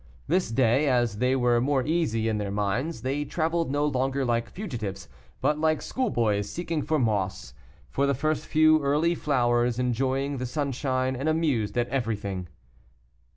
This day, as they were more easy in their minds, they traveled no longer like fugitives, but like schoolboys seeking for moss, for the first few early flowers, enjoying the sunshine and amused at everything.